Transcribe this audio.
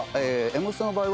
『Ｍステ』の場合は。